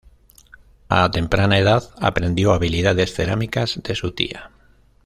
A temprana edad, aprendió habilidades cerámicas de su tía.